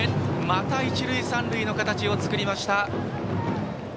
また、一塁三塁の形を作りました。